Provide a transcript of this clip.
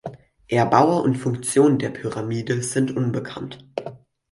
Erbauer und Funktion der Pyramide sind unbekannt.